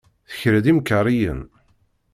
Tekra-d imkariyen.